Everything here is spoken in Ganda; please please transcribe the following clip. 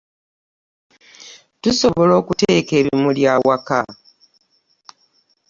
Tusobola okuteeka ebimulu awaka.